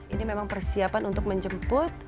ini memang persiapan untuk menjemput